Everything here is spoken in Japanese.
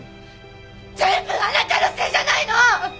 全部あなたのせいじゃないの！